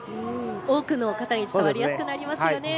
多くの方に伝わりやすくなりますよね。